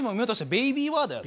「ベイビーワード」？